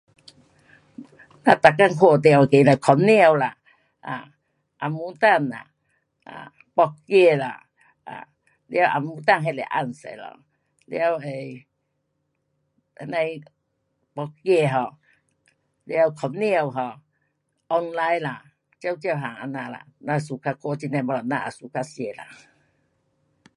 咱每天看到那个啦，番瘤啦，啊，红毛丹啦，啊，木子啦，啊，嘞红毛丹那是红色咯，完那，那样的木子 um 完，番瘤 um，黄梨啦，各各样这样啦，咱 suka 看这样的东西，咱也 suka 吃啦。